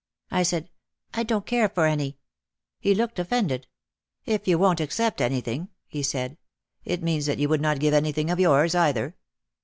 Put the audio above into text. I said, "I don't care for any." He looked offended. "If you won't accept anything," he said, "it means that you would not give anything of yours either."